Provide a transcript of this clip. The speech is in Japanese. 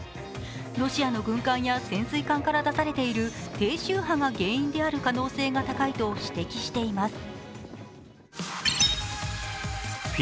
ロシアの軍艦や潜水艦から出されている低周波が原因である可能性が高いと指摘しています。